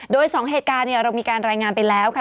โดย๒เหตุการณ์เรามีการรายงานไปแล้วค่ะ